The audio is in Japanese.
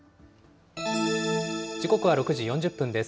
時刻は６時４０分です。